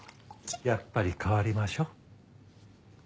やっぱり代わりましょう。